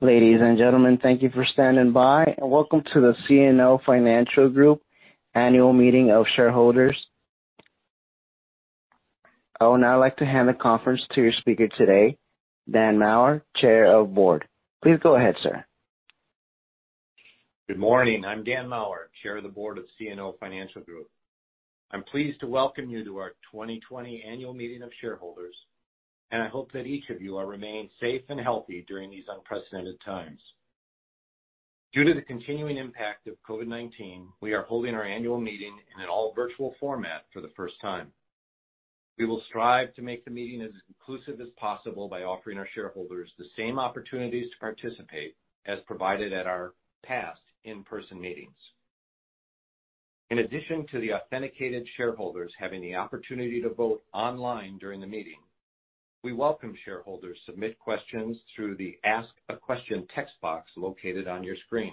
Ladies and gentlemen, thank you for standing by, and welcome to the CNO Financial Group Annual Meeting of Shareholders. I would now like to hand the conference to your speaker today, Dan Maurer, Chair of Board. Please go ahead, sir. Good morning. I'm Dan Maurer, Chair of the Board of CNO Financial Group. I'm pleased to welcome you to our 2020 Annual Meeting of Shareholders. I hope that each of you are remaining safe and healthy during these unprecedented times. Due to the continuing impact of COVID-19, we are holding our annual meeting in an all-virtual format for the first time. We will strive to make the meeting as inclusive as possible by offering our shareholders the same opportunities to participate as provided at our past in-person meetings. In addition to the authenticated shareholders having the opportunity to vote online during the meeting, we welcome shareholders submit questions through the Ask a Question text box located on your screen.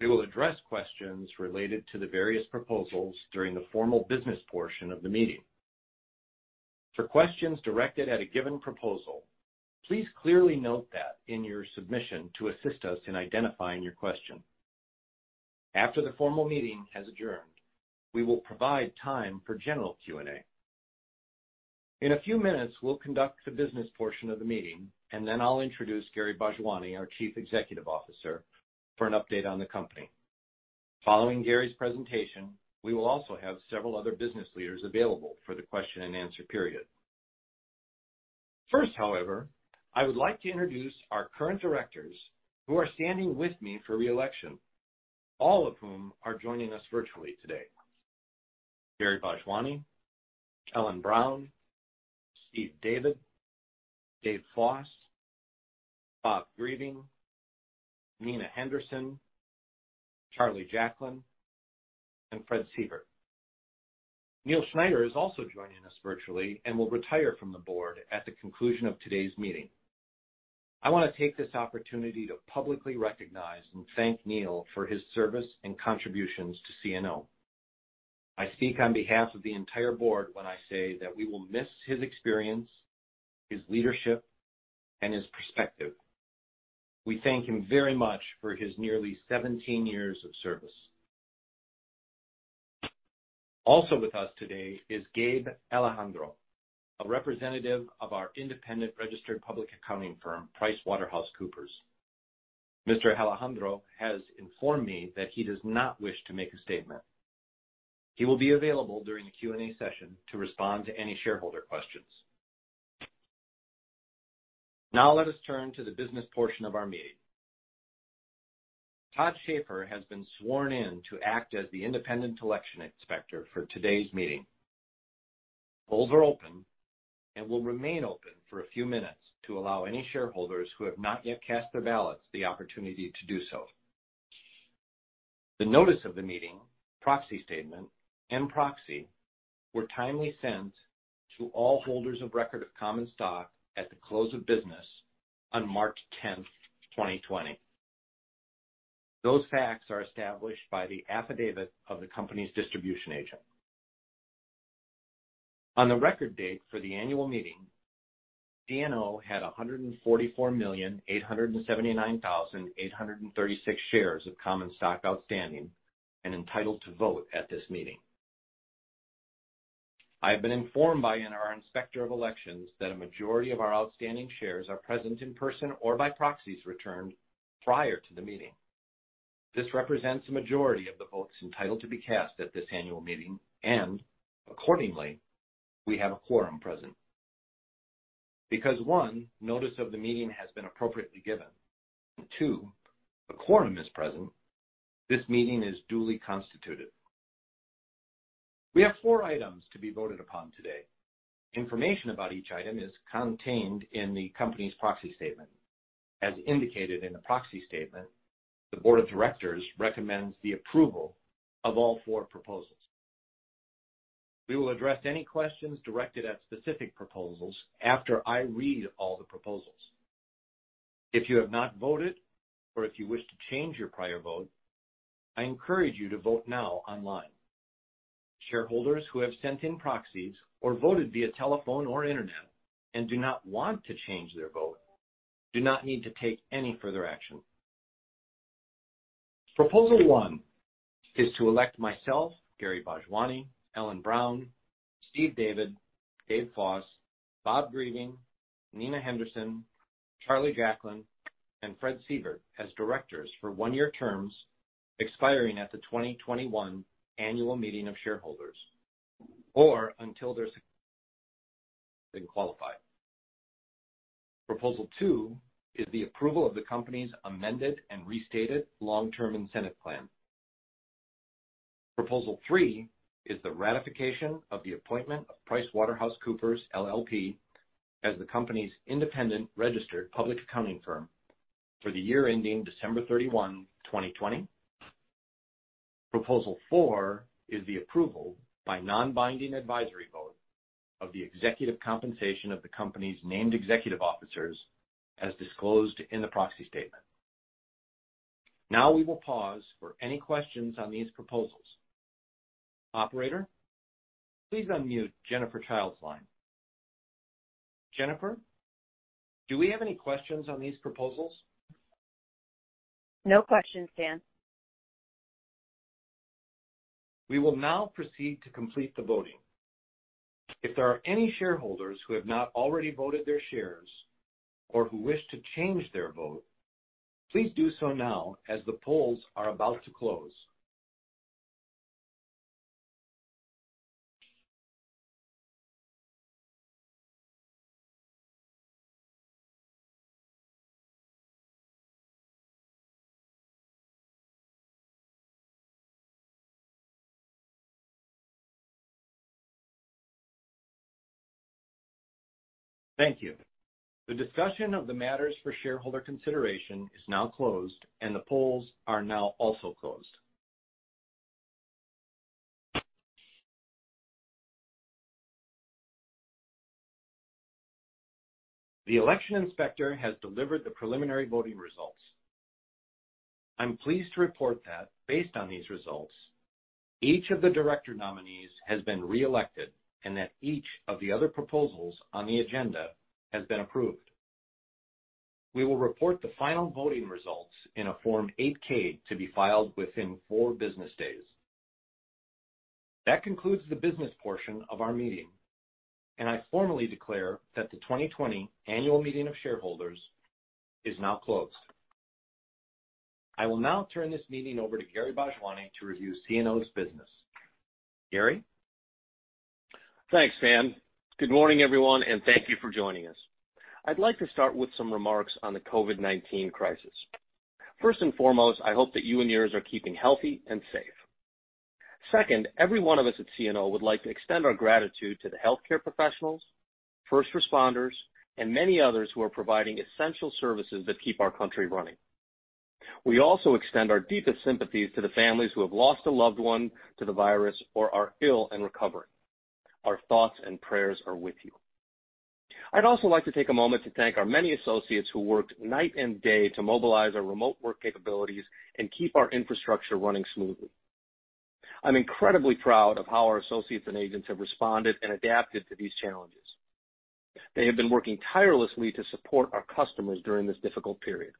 We will address questions related to the various proposals during the formal business portion of the meeting. For questions directed at a given proposal, please clearly note that in your submission to assist us in identifying your question. After the formal meeting has adjourned, we will provide time for general Q&A. In a few minutes, we'll conduct the business portion of the meeting. Then I'll introduce Gary Bhojwani, our Chief Executive Officer, for an update on the company. Following Gary's presentation, we will also have several other business leaders available for the question and answer period. First, however, I would like to introduce our current directors who are standing with me for re-election, all of whom are joining us virtually today. Gary Bhojwani, Ellyn Brown, Stephen David Foss, Robert Greving, Nina Henderson, Charles Jacklin, and Frederick Sievert. Neal Schneider is also joining us virtually and will retire from the Board at the conclusion of today's meeting. I want to take this opportunity to publicly recognize and thank Neal for his service and contributions to CNO. I speak on behalf of the entire Board when I say that we will miss his experience, his leadership, and his perspective. We thank him very much for his nearly 17 years of service. Also with us today is Gabriel Alejandro, a representative of our independent registered public accounting firm, PricewaterhouseCoopers. Mr. Alejandro has informed me that he does not wish to make a statement. He will be available during the Q&A session to respond to any shareholder questions. Let us turn to the business portion of our meeting. Todd Schaefer has been sworn in to act as the independent election inspector for today's meeting. Polls are open and will remain open for a few minutes to allow any shareholders who have not yet cast their ballots the opportunity to do so. The notice of the meeting, proxy statement, and proxy were timely sent to all holders of record of common stock at the close of business on March 10th, 2020. Those facts are established by the affidavit of the company's distribution agent. On the record date for the annual meeting, CNO had 144,879,836 shares of common stock outstanding and entitled to vote at this meeting. I have been informed by our Inspector of Elections that a majority of our outstanding shares are present in person or by proxies returned prior to the meeting. This represents a majority of the votes entitled to be cast at this annual meeting, and accordingly, we have a quorum present. Because one, notice of the meeting has been appropriately given, and two, a quorum is present, this meeting is duly constituted. We have four items to be voted upon today. Information about each item is contained in the company's proxy statement. As indicated in the proxy statement, the board of directors recommends the approval of all four proposals. We will address any questions directed at specific proposals after I read all the proposals. If you have not voted or if you wish to change your prior vote, I encourage you to vote now online. Shareholders who have sent in proxies or voted via telephone or internet and do not want to change their vote do not need to take any further action. Proposal one is to elect myself, Gary Bhojwani, Ellyn Brown, Stephen David Foss, Robert Greving, Nina Henderson, Charlie Jacklin, and Fred Sievert as directors for one-year terms expiring at the 2021 annual meeting of shareholders or until their qualified. Proposal two is the approval of the company's amended and restated long-term incentive plan. Proposal three is the ratification of the appointment of PricewaterhouseCoopers LLP as the company's independent registered public accounting firm for the year ending December 31, 2020. Proposal four is the approval by non-binding advisory vote of the executive compensation of the company's named executive officers as disclosed in the proxy statement. Now we will pause for any questions on these proposals. Operator, please unmute Jennifer Childe's line. Jennifer, do we have any questions on these proposals? No questions, Dan. We will now proceed to complete the voting. If there are any shareholders who have not already voted their shares or who wish to change their vote, please do so now as the polls are about to close. Thank you. The discussion of the matters for shareholder consideration is now closed, and the polls are now also closed. The election inspector has delivered the preliminary voting results. I am pleased to report that based on these results, each of the director nominees has been reelected and that each of the other proposals on the agenda has been approved. We will report the final voting results in a Form 8-K to be filed within four business days. That concludes the business portion of our meeting, and I formally declare that the Annual General Meeting 2020 is now closed. I will now turn this meeting over to Gary Bhojwani to review CNO's business. Gary? Thanks, Dan. Good morning, everyone, and thank you for joining us. I would like to start with some remarks on the COVID-19 crisis. First and foremost, I hope that you and yours are keeping healthy and safe. Second, every one of us at CNO would like to extend our gratitude to the healthcare professionals, first responders, and many others who are providing essential services that keep our country running. We also extend our deepest sympathies to the families who have lost a loved one to the virus or are ill and recovering. Our thoughts and prayers are with you. I would also like to take a moment to thank our many associates who worked night and day to mobilize our remote work capabilities and keep our infrastructure running smoothly. I am incredibly proud of how our associates and agents have responded and adapted to these challenges. They have been working tirelessly to support our customers during this difficult period.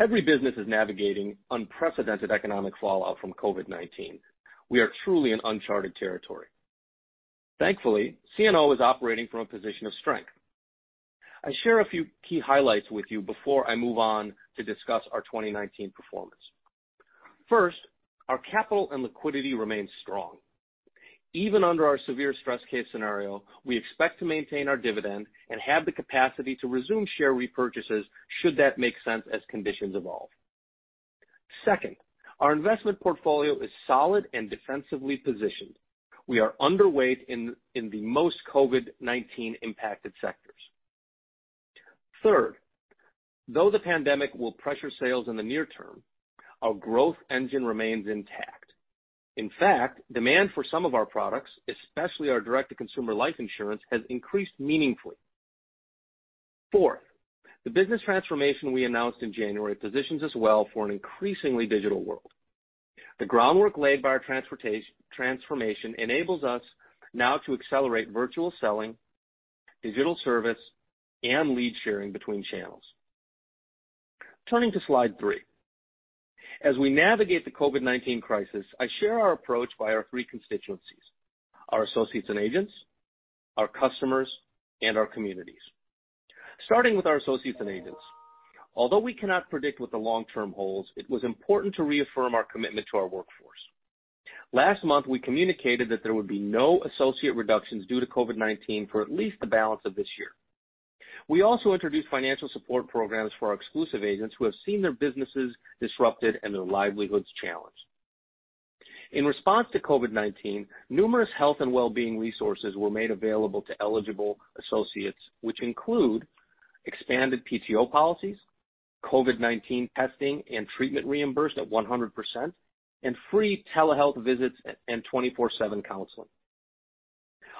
Every business is navigating unprecedented economic fallout from COVID-19. We are truly in uncharted territory. Thankfully, CNO is operating from a position of strength. I share a few key highlights with you before I move on to discuss our 2019 performance. First, our capital and liquidity remains strong. Even under our severe stress case scenario, we expect to maintain our dividend and have the capacity to resume share repurchases should that make sense as conditions evolve. Second, our investment portfolio is solid and defensively positioned. We are underweight in the most COVID-19 impacted sectors. Third, though the pandemic will pressure sales in the near term, our growth engine remains intact. In fact, demand for some of our products, especially our direct-to-consumer life insurance, has increased meaningfully. Fourth, the business transformation we announced in January positions us well for an increasingly digital world. The groundwork laid by our transformation enables us now to accelerate virtual selling, digital service, and lead sharing between channels. Turning to slide three. As we navigate the COVID-19 crisis, I share our approach by our three constituencies, our associates and agents, our customers, and our communities. Starting with our associates and agents. Although we cannot predict what the long term holds, it was important to reaffirm our commitment to our workforce. Last month, we communicated that there would be no associate reductions due to COVID-19 for at least the balance of this year. We also introduced financial support programs for our exclusive agents who have seen their businesses disrupted and their livelihoods challenged. In response to COVID-19, numerous health and well-being resources were made available to eligible associates, which include expanded PTO policies, COVID-19 testing and treatment reimbursed at 100%, and free telehealth visits and twenty-four-seven counseling.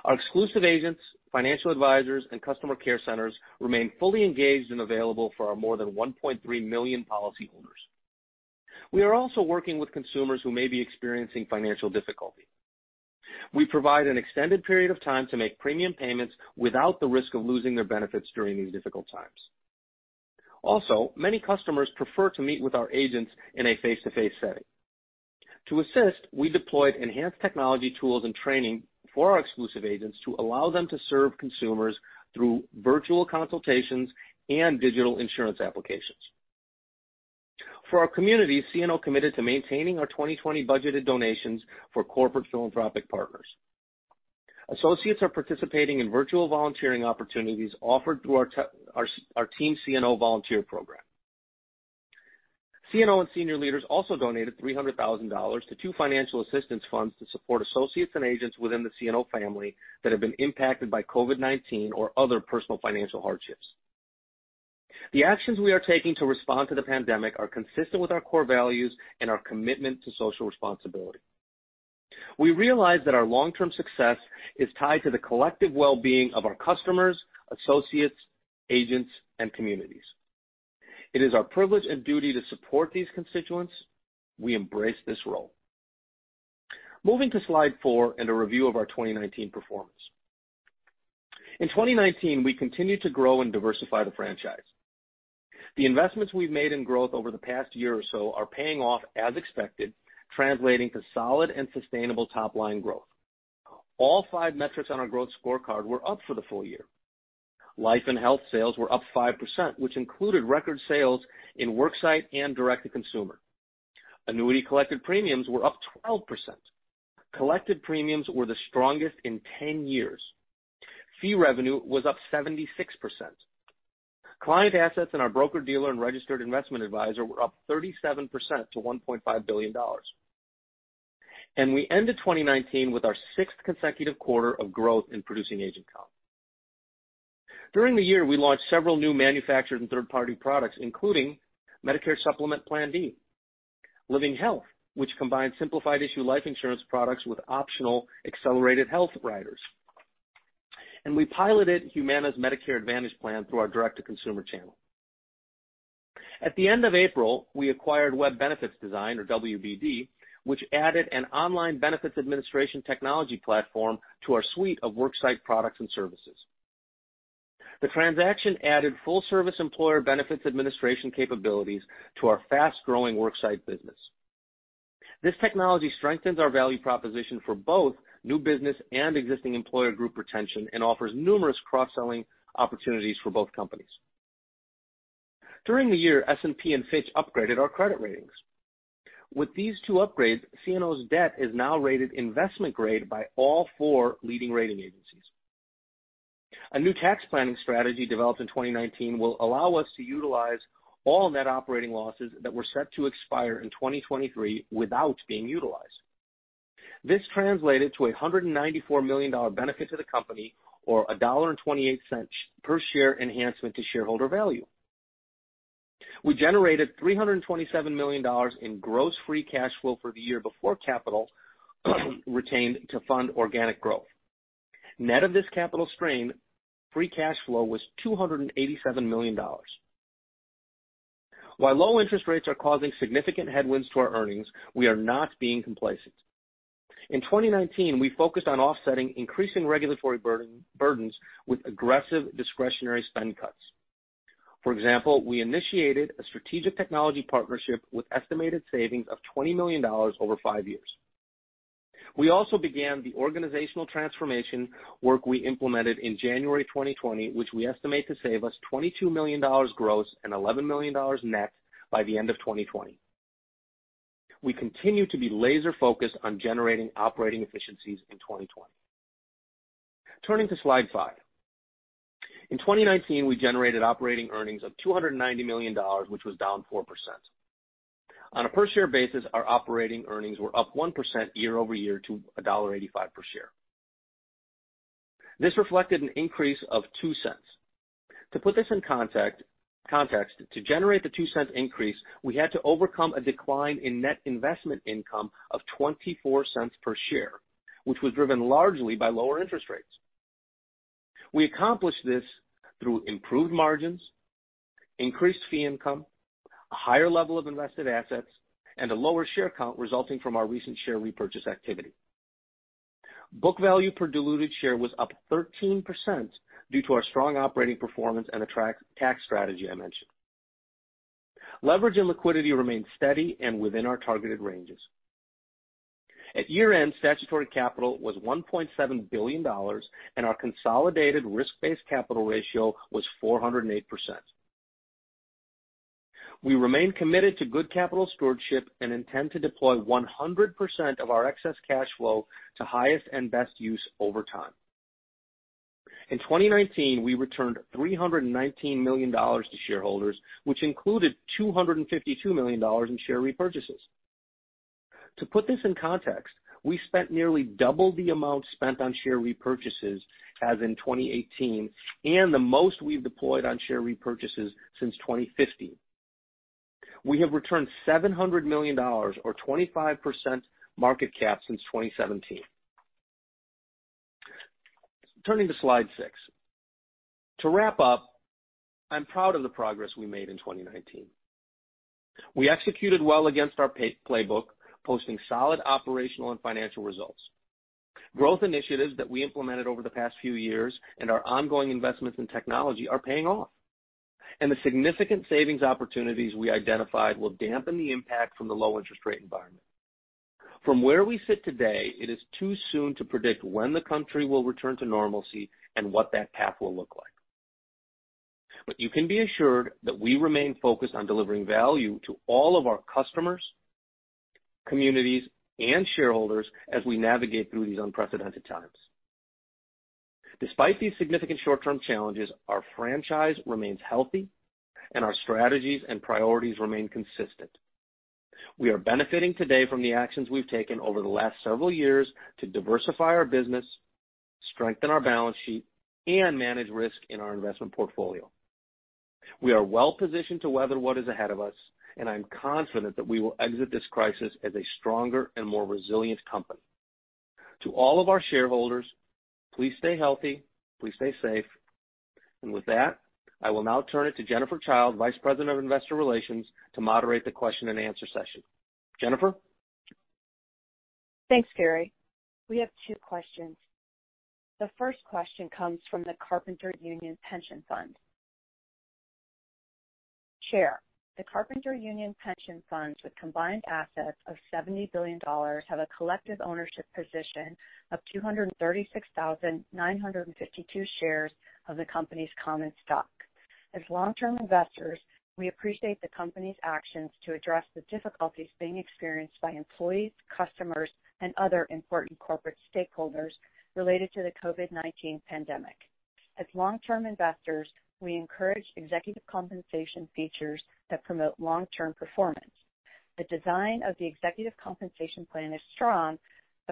Our exclusive agents, financial advisors, and customer care centers remain fully engaged and available for our more than 1.3 million policyholders. We are also working with consumers who may be experiencing financial difficulty. We provide an extended period of time to make premium payments without the risk of losing their benefits during these difficult times. Many customers prefer to meet with our agents in a face-to-face setting. To assist, we deployed enhanced technology tools and training for our exclusive agents to allow them to serve consumers through virtual consultations and digital insurance applications. For our community, CNO committed to maintaining our 2020 budgeted donations for corporate philanthropic partners. Associates are participating in virtual volunteering opportunities offered through our Team CNO volunteer program. CNO and senior leaders donated $300,000 to two financial assistance funds to support associates and agents within the CNO family that have been impacted by COVID-19 or other personal financial hardships. The actions we are taking to respond to the pandemic are consistent with our core values and our commitment to social responsibility. We realize that our long-term success is tied to the collective well-being of our customers, associates, agents, and communities. It is our privilege and duty to support these constituents. We embrace this role. Moving to slide four and a review of our 2019 performance. In 2019, we continued to grow and diversify the franchise. The investments we've made in growth over the past year or so are paying off as expected, translating to solid and sustainable top-line growth. All five metrics on our growth scorecard were up for the full year. Life and health sales were up 5%, which included record sales in worksite and direct-to-consumer. Annuity collected premiums were up 12%. Collected premiums were the strongest in 10 years. Fee revenue was up 76%. Client assets in our broker dealer and registered investment advisor were up 37% to $1.5 billion. We ended 2019 with our sixth consecutive quarter of growth in producing agent count. During the year, we launched several new manufactured and third-party products, including Medicare Supplement Plan D, Living Insurance, which combines simplified issue life insurance products with optional accelerated health riders. We piloted Humana's Medicare Advantage Plan through our direct-to-consumer channel. At the end of April, we acquired Web Benefits Design, or WBD, which added an online benefits administration technology platform to our suite of worksite products and services. The transaction added full-service employer benefits administration capabilities to our fast-growing worksite business. This technology strengthens our value proposition for both new business and existing employer group retention and offers numerous cross-selling opportunities for both companies. During the year, S&P and Fitch upgraded our credit ratings. With these two upgrades, CNO's debt is now rated investment grade by all four leading rating agencies. A new tax planning strategy developed in 2019 will allow us to utilize all net operating losses that were set to expire in 2023 without being utilized. This translated to a $194 million benefit to the company or a $1.28 per share enhancement to shareholder value. We generated $327 million in gross free cash flow for the year before capital retained to fund organic growth. Net of this capital stream, free cash flow was $287 million. Low interest rates are causing significant headwinds to our earnings, we are not being complacent. In 2019, we focused on offsetting increasing regulatory burdens with aggressive discretionary spend cuts. For example, we initiated a strategic technology partnership with estimated savings of $20 million over five years. We also began the organizational transformation work we implemented in January 2020, which we estimate to save us $22 million gross and $11 million net by the end of 2020. We continue to be laser-focused on generating operating efficiencies in 2020. Turning to slide five. In 2019, we generated operating earnings of $290 million, which was down 4%. On a per-share basis, our operating earnings were up 1% year-over-year to $1.85 per share. This reflected an increase of $0.02. To put this in context, to generate the $0.02 increase, we had to overcome a decline in net investment income of $0.24 per share, which was driven largely by lower interest rates. We accomplished this through improved margins, increased fee income, a higher level of invested assets, and a lower share count resulting from our recent share repurchase activity. Book value per diluted share was up 13% due to our strong operating performance and the tax strategy I mentioned. Leverage and liquidity remained steady and within our targeted ranges. At year-end, statutory capital was $1.7 billion, and our consolidated risk-based capital ratio was 408%. We remain committed to good capital stewardship and intend to deploy 100% of our excess cash flow to highest and best use over time. In 2019, we returned $319 million to shareholders, which included $252 million in share repurchases. To put this in context, we spent nearly double the amount spent on share repurchases as in 2018, and the most we've deployed on share repurchases since 2015. We have returned $700 million or 25% market cap since 2017. Turning to slide six. To wrap up, I'm proud of the progress we made in 2019. We executed well against our playbook, posting solid operational and financial results. Growth initiatives that we implemented over the past few years and our ongoing investments in technology are paying off. The significant savings opportunities we identified will dampen the impact from the low interest rate environment. From where we sit today, it is too soon to predict when the country will return to normalcy and what that path will look like. You can be assured that we remain focused on delivering value to all of our customers, communities, and shareholders as we navigate through these unprecedented times. Despite these significant short-term challenges, our franchise remains healthy, and our strategies and priorities remain consistent. We are benefiting today from the actions we've taken over the last several years to diversify our business, strengthen our balance sheet, and manage risk in our investment portfolio. We are well-positioned to weather what is ahead of us, and I am confident that we will exit this crisis as a stronger and more resilient company. To all of our shareholders, please stay healthy, please stay safe. With that, I will now turn it to Jennifer Childe, Vice President of Investor Relations, to moderate the question and answer session. Jennifer? Thanks, Gary. We have two questions. The first question comes from the Carpenters Union Pension Fund. "Chair, the Carpenters Union Pension Funds, with combined assets of $70 billion, have a collective ownership position of 236,952 shares of the company's common stock. As long-term investors, we appreciate the company's actions to address the difficulties being experienced by employees, customers, and other important corporate stakeholders related to the COVID-19 pandemic. As long-term investors, we encourage executive compensation features that promote long-term performance. The design of the executive compensation plan is strong,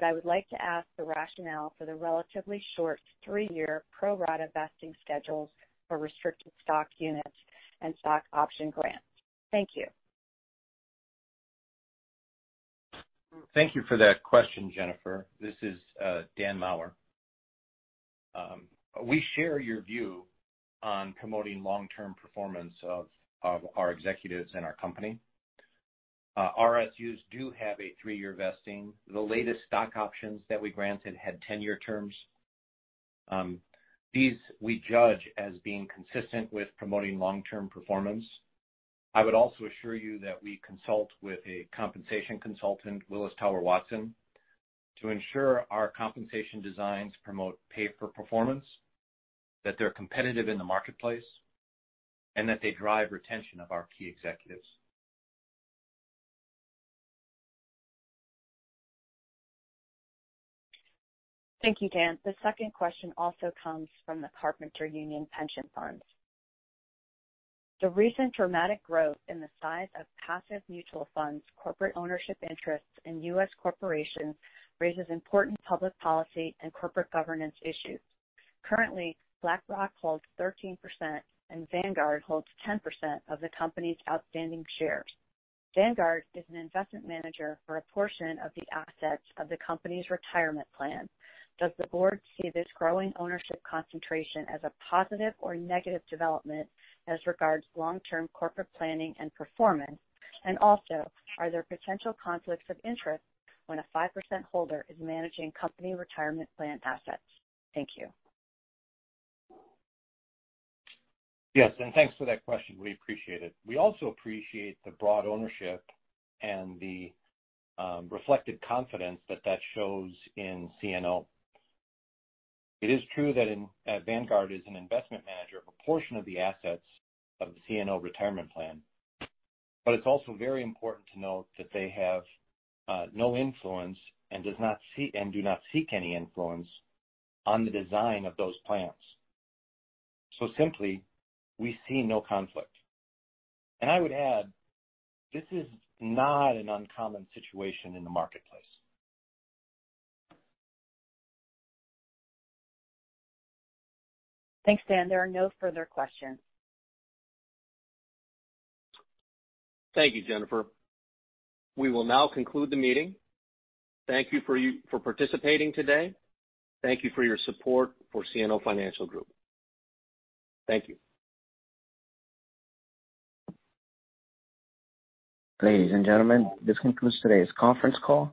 I would like to ask the rationale for the relatively short three-year pro rata vesting schedules for Restricted Stock Units and stock option grants. Thank you. Thank you for that question, Jennifer. This is Dan Maurer. We share your view on promoting long-term performance of our executives and our company. RSUs do have a three-year vesting. The latest stock options that we granted had 10-year terms. These we judge as being consistent with promoting long-term performance. I would also assure you that we consult with a compensation consultant, Willis Towers Watson, to ensure our compensation designs promote pay for performance, that they're competitive in the marketplace, and that they drive retention of our key executives. Thank you, Dan. The second question also comes from the Carpenters Union Pension Fund. "The recent dramatic growth in the size of passive mutual funds corporate ownership interests in U.S. corporations raises important public policy and corporate governance issues. Currently, BlackRock holds 13% and Vanguard holds 10% of the company's outstanding shares. Vanguard is an investment manager for a portion of the assets of the company's retirement plan. Does the board see this growing ownership concentration as a positive or negative development as regards long-term corporate planning and performance? Also, are there potential conflicts of interest when a 5% holder is managing company retirement plan assets? Thank you. Yes, thanks for that question. We appreciate it. We also appreciate the broad ownership and the reflected confidence that shows in CNO. It is true that Vanguard is an investment manager for a portion of the assets of the CNO retirement plan. It's also very important to note that they have no influence and do not seek any influence on the design of those plans. Simply, we see no conflict. I would add, this is not an uncommon situation in the marketplace. Thanks, Dan. There are no further questions. Thank you, Jennifer. We will now conclude the meeting. Thank you for participating today. Thank you for your support for CNO Financial Group. Thank you. Ladies and gentlemen, this concludes today's conference call.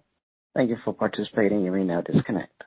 Thank you for participating. You may now disconnect.